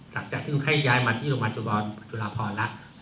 หลังจากที่ให้ย้ายมาที่โรงพยาบาลจุบรจุฬาพรแล้ว